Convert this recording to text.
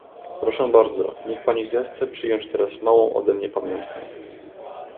"Proszę bardzo, niech pani zechce przyjąć teraz małą ode mnie pamiątkę."